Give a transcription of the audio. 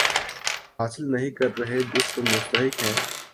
حاصل نہیں کر رہے جس کے وہ مستحق ہیں